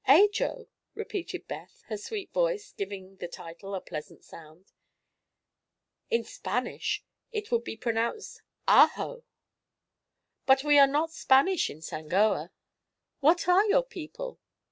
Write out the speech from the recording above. "Ajo," repeated Beth, her sweet voice giving the title a pleasant sound. "In Spanish it would be pronounced 'Ah ho.'" "But we are not Spanish in Sangoa." "What are your people?"